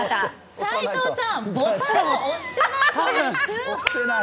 齋藤さん、ボタンを押してない。